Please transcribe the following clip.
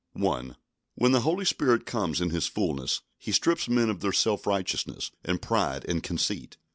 1. When the Holy Spirit comes in His fullness, He strips men of their self righteousness and pride and conceit.